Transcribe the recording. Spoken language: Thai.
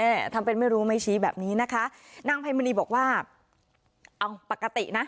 ทำเป็นไม่รู้ไม่ชี้แบบนี้นะคะนางไพมณีบอกว่าเอาปกตินะ